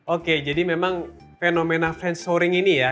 oke jadi memang fenomena fans shoring ini ya